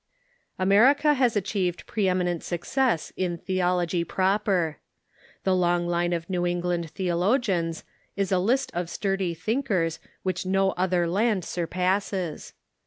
America has achieved pre eminent success in theology proper. The long line of New England theologians is a list of sturdy thinkers which no other land surpasses.